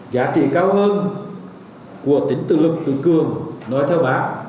giá trị cao hơn của tính tự lực tự cường nói theo bác